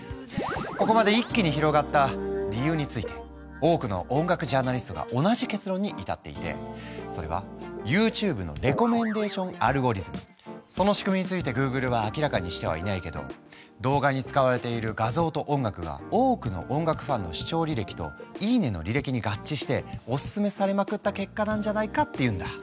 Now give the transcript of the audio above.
ここまで一気に広がった理由について多くの音楽ジャーナリストが同じ結論に至っていてそれはＹｏｕＴｕｂｅのその仕組みについてグーグルは明らかにしてはいないけど動画に使われている画像と音楽が多くの音楽ファンの視聴履歴といいねの履歴に合致しておすすめされまくった結果なんじゃないかっていうんだ。